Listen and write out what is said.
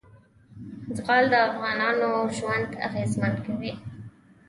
زغال د افغانانو ژوند اغېزمن کوي.